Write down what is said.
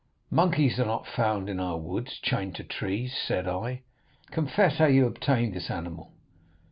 'Monkeys are not found in our woods chained to trees,' said I; 'confess how you obtained this animal.